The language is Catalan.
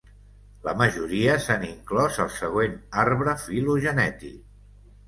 La majoria s'han inclòs al següent arbre filogenètic.